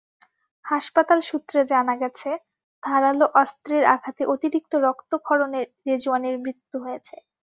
হাসপাতাল সূত্রে জানা গেছে, ধারালো অস্ত্রের আঘাতে অতিরিক্ত রক্তক্ষরণে রেজোয়ানের মৃত্যু হয়েছে।